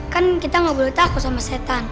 kan kita nggak boleh takut sama setan